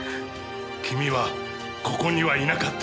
君はここにはいなかった。